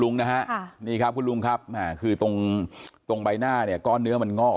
หลุงนะฮะนี่ครับลุงครับคือตรงตรงใบหน้าก้อนเนื้อมันเงาะ